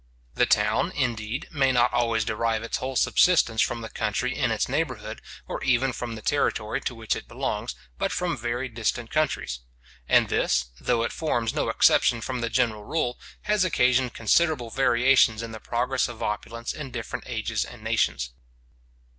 The town, indeed, may not always derive its whole subsistence from the country in its neighbourhood, or even from the territory to which it belongs, but from very distant countries; and this, though it forms no exception from the general rule, has occasioned considerable variations in the progress of opulence in different ages and nations.